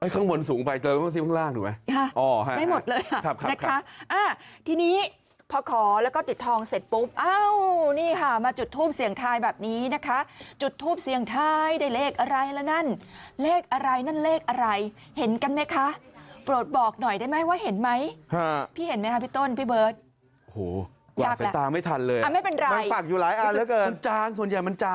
ข้างบนสูงไปเจอต้องซิ้มข้างล่างถูกไหม